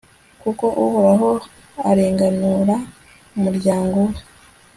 kuko uhoraho arenganura umuryango we